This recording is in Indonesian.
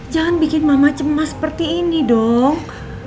jangan bikin mama cemas seperti ini dong